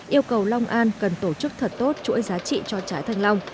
yêu cầu long an cần tổ chức thật tốt chuỗi giá trị cho trái thanh long